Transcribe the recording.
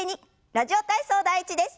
「ラジオ体操第１」です。